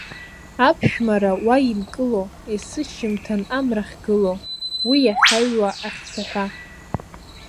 Аԥшәмара уа инкыло, есышьжьымҭан амра ахьгыло, уи иахьаҩуа ахьцәаҳәа…